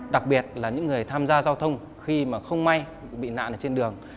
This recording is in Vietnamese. đặc biệt là những người tham gia giao thông khi mà không may bị nạn ở trên đường